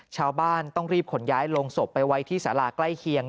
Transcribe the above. ชาวบ้านต้องรีบขนย้ายลงศพไปไว้ที่สาราใกล้เคียง